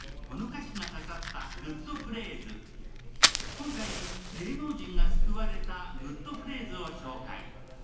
今回、芸能人が救われたグッとフレーズを紹介。